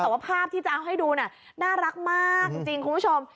แต่ว่าภาพที่จะเอาให้ดูน่ะน่ารักมากจริงคุณผู้ชม